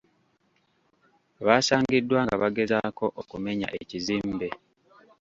Baasangiddwa nga bagezaako okumenya ekizimbe.